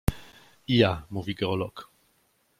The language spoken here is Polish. I ja — mówi geolog.